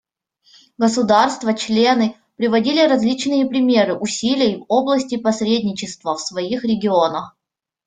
Государства-члены приводили различные примеры усилий в области посредничества в своих регионах.